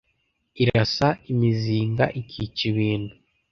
Irasa imizinga ikica ibintu,